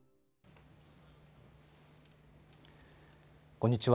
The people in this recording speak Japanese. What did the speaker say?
こんにちは。